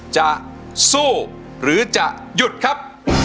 จะสู้หรือจะหยุดครับ